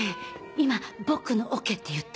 今「僕のオケ」って言った？